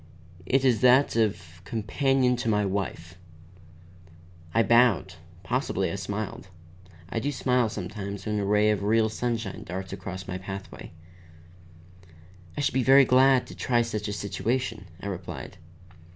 It is that of companion to my wife." I bowed; possibly I smiled. I do smile sometimes when a ray of real sunshine darts across my pathway. "I should be very glad to try such a situation," I replied.